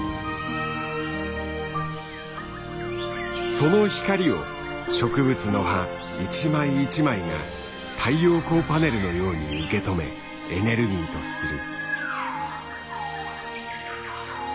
その光を植物の葉一枚一枚が太陽光パネルのように受け止めエネルギーとする。